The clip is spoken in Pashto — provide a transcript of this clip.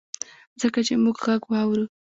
ځکه چي مونږ ږغ واورو